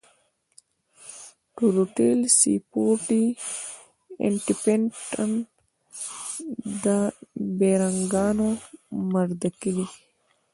ټروټيل سي فور ټي ان ټي پټن د بېرنگانو مردکي.